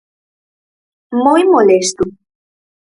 Moi molesto.